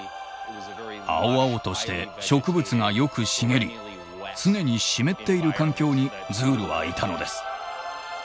青々として植物がよく茂り常に湿っている環境にズールはいたのです。